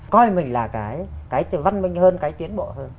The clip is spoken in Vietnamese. coi mình là cái văn minh hơn cái tiến bộ hơn